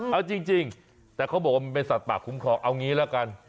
เอาจริงแต่เขาบอกว่ามันเป็นสัตว์ป่าคุ้มครองเอางี้ละกัน